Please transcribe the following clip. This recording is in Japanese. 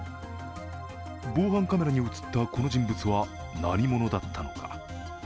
防犯カメラに映ったこの人物は何者だったのか。